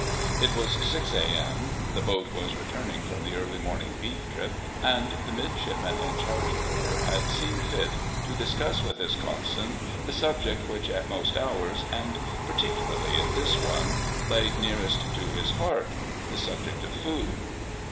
It was 6 A.M.: the boat was returning from the early morning beef trip, and the midshipman in charge of her had seen fit to discuss with his coxswain the subject which at most hours, and particularly at this one, lay nearest to his heart—the subject of Food.